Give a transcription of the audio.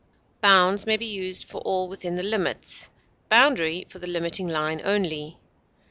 Bounds may be used for all within the limits, boundary for the limiting line only.